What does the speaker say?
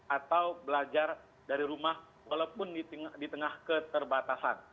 atau belajar dari rumah walaupun di tengah keterbatasan